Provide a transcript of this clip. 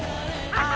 ああ！